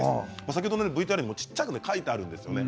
先ほどのＶＴＲにも小っちゃく書いてあるんですよね。